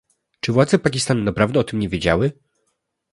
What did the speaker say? Czy władze Pakistanu naprawdę o tym nie wiedziały?